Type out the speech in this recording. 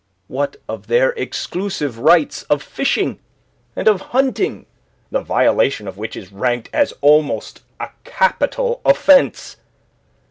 What of their exclusive rights of fishing and of hunting, the violation of which is ranked as almost a capital offence?